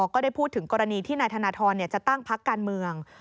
ก็ได้พูดถึงกรณีที่นายธนทรจะตั้งพักการเมือง